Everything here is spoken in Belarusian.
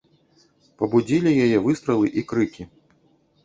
Пабудзілі яе выстралы і крыкі.